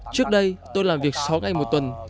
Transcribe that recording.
trước đây tôi làm việc sáu ngày một tuần